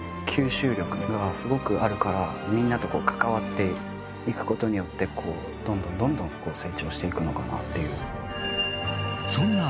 吸収力がすごくあるからみんなとこう関わっていくことによってどんどんどんどんこう成長していくのかなっていう